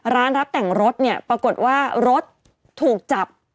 รับแต่งรถเนี่ยปรากฏว่ารถถูกจับ